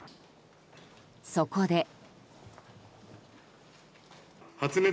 そこで。